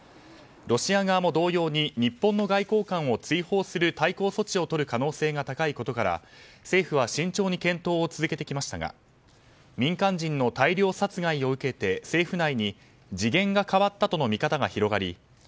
ロシア側も同様に日本の外交官を追放する対抗措置をとる可能性が高いことから政府は慎重に検討を続けてきましたが民間人の大量殺害を受けて政府内に次元が変わったとの見方が広がり